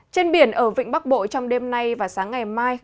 trên biển ở vịnh bắc bộ trong đêm nay và sáng ngày mai